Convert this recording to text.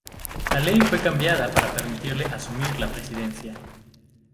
La ley fue cambiada para permitirle asumir la presidencia.